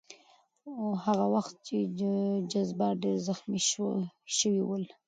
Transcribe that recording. هغه وخت یې جذبات ډېر زخمي شوي ول.